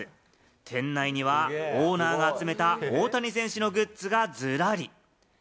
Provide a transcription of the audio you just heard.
店内にはオーナーが集めた大谷選手のグッズがズラリ。